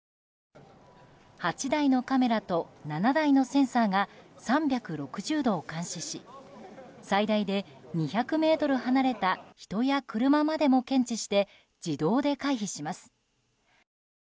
８台のカメラと７台のセンサーが３６０度を監視し最大で２００ｍ離れた人や車までも検知して、自動で回避します。